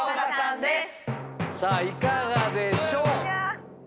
いかがでしょう？